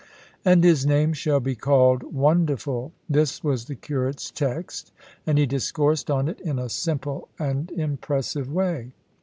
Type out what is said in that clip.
"And His name shall be called Wonderful" this was the curate's text, and he discoursed on it in a simple and impressive way.